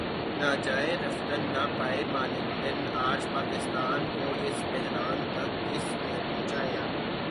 نہ جائے رفتن نہ پائے ماندن آج پاکستان کو اس بحران تک کس نے پہنچایا؟